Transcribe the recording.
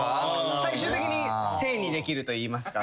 最終的に正にできるといいますか。